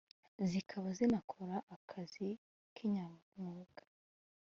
zikaba zinakora akazi kinyamwuga